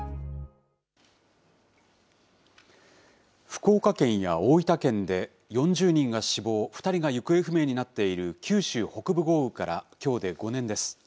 福岡県や大分県で４０人が死亡、２人が行方不明になっている九州北部豪雨からきょうで５年です。